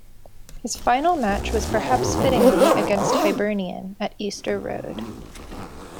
His final match was perhaps fittingly against Hibernian at Easter Road.